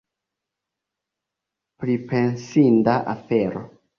Pripensinda afero!